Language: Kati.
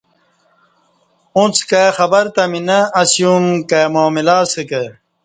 اݩڅ کائ خبر تہ می نہ اسیوم کائ معاملہ اسہ کہ